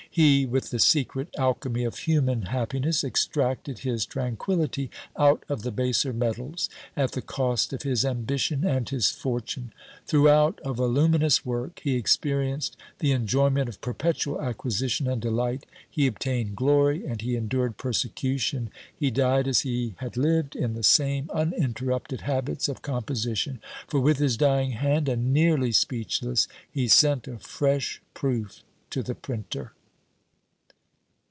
He, with the secret alchymy of human happiness, extracted his tranquillity out of the baser metals, at the cost of his ambition and his fortune. Throughout a voluminous work, he experienced the enjoyment of perpetual acquisition and delight; he obtained glory, and he endured persecution. He died as he had lived, in the same uninterrupted habits of composition; for with his dying hand, and nearly speechless, he sent a fresh proof to the printer!